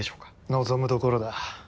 望むところだ。